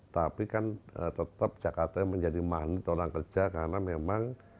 tapi kan tetap jakarta menjadi magnet orang kerja karena memang